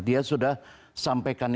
dia sudah sampaikan itu